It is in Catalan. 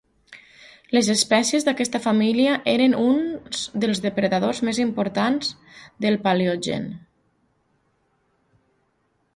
Les espècies d'aquesta família eren uns dels depredadors més importants del Paleogen.